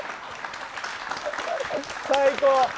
最高！